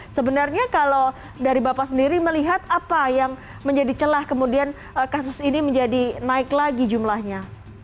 sebenarnya kalau dari bapak sendiri melihat apa yang menjadi celah kemudian kasus ini menjadi naik lagi jumlahnya